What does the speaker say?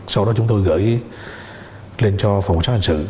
sau đó chúng tôi gửi lên cho phòng cảnh sát hành sự